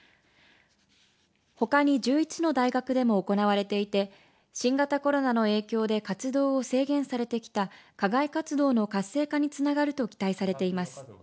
ほかに１１の大学でも行われていて新型コロナの影響で活動を制限されてきた課外活動の活性化につながると期待されています。